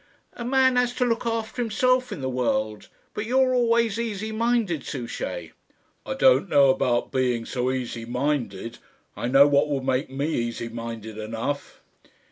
"A man has to look after himself in the world; but you were always easy minded, Souchey." "I don't know about being so easy minded. I know what would make me easy minded enough."